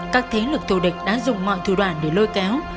các thế lực thù địch đã dùng mọi thủ đoạn để lôi kéo